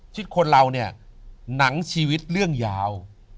คนเราเนี่ยหนังชีวิตเรื่องยาว